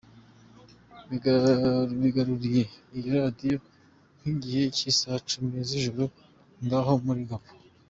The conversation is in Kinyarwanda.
Bigaruriye iyo radiyo nk'igihe c'isaha cumi z'ijoro zo ngaho muri Gabon.